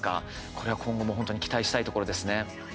これは今後も本当に期待したいところですね。